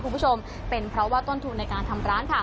คุณผู้ชมเป็นเพราะว่าต้นทุนในการทำร้านค่ะ